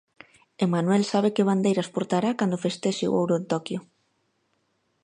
Enmanuel sabe que bandeiras portará cando festexe o ouro en Toquio.